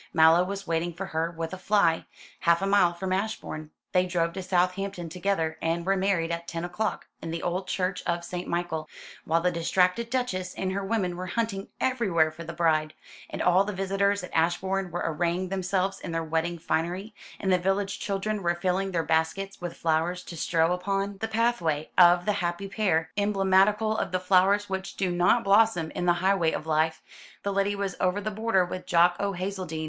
Mallow was waiting for her with a fly, half a mile from Ashbourne. They drove to Southampton together, and were married at ten o'clock, in the old church of St. Michael. While the distracted Duchess and her women were hunting everywhere for the bride, and all the visitors at Ashbourne were arraying themselves in their wedding finery, and the village children were filling their baskets with flowers to strew upon the pathway of the happy pair, emblematical of the flowers which do not blossom in the highway of life, the lady was over the border with Jock o' Hazeldean!